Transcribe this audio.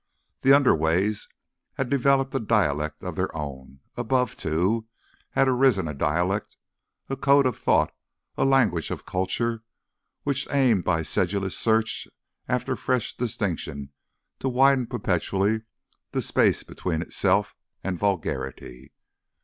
The underways had developed a dialect of their own: above, too, had arisen a dialect, a code of thought, a language of "culture," which aimed by a sedulous search after fresh distinction to widen perpetually the space between itself and "vulgarity."